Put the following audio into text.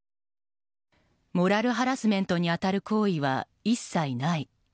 モラルハラスメントに当たる行為は一切ない。